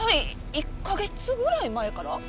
１カ月ぐらい前から。